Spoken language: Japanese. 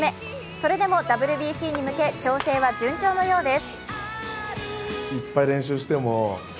それでもＷＢＣに向け、調整は順調のようです。